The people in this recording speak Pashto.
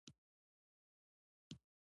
نه به قرباني وه او نه زموږ خوږ پیغمبر.